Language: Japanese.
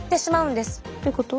どういうこと？